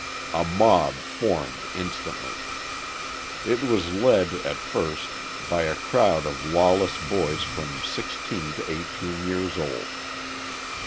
A mob formed instantly. It was led, at first, by a crowd of lawless boys from sixteen to eighteen years old.